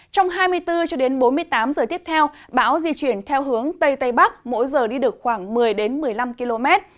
trong hai mươi bốn bốn mươi tám giờ tiếp theo bão di chuyển theo hướng tây tây bắc mỗi giờ đi được khoảng một mươi một mươi năm km